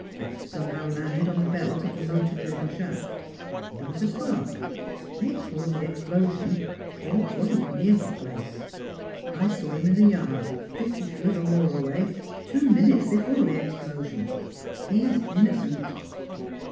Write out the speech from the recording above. It somehow landed on the belt of the motor driven shaft. There was a spark. It caused the explosion. ... Schwartz wasn't near the place. I saw him in the yard fifty feet or more away two minutes before the explosion. He is innocent."